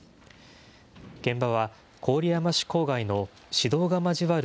現場は郡山市郊外の市道が交わる